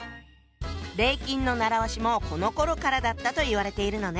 「礼金」の習わしもこのころからだったと言われているのね。